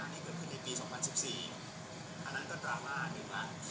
ที่เกิดขึ้นในปี๒๐๑๔อันนั้นก็ตลาดมา๑ละ